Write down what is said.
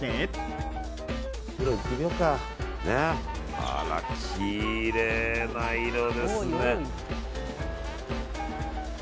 あら、きれいな色ですね。